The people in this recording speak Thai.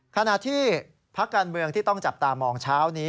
ขณะที่พักการเมืองที่ต้องจับตามองเช้านี้